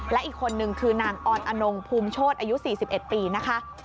และอีกคนนึงคือนางออนอนงภูมิโชธอายุ๔๑ปีนะคะ